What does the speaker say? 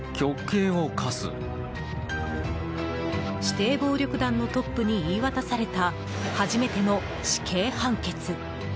指定暴力団のトップに言い渡された、初めての死刑判決。